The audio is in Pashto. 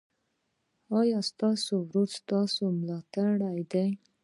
ایا ستاسو ورور ستاسو ملاتړ دی؟